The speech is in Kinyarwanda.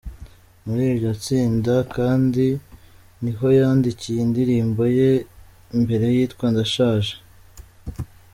Muri iryo tsinda kandi niho yandikiye indirimbo ye ya mbere yitwa “Ndashaje”.